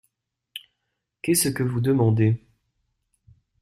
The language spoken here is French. Qu’est-ce que vous demandez ?